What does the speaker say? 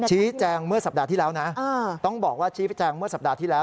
ชี้แจงเมื่อสัปดาห์ที่แล้วนะต้องบอกว่าชี้แจงเมื่อสัปดาห์ที่แล้ว